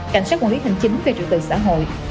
cảnh sát quân lý hình chính về trụ tự xã hội